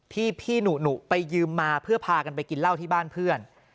พี่หนูไปยืมมาเพื่อพากันไปกินเหล้าที่บ้านเพื่อน